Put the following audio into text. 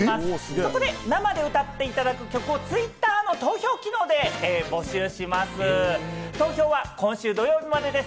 そこで生で歌っていただく曲をＴｗｉｔｔｅｒの投票機能で募集します。